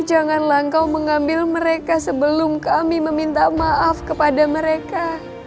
janganlah engkau mengambil mereka sebelum kami meminta maaf kepada mereka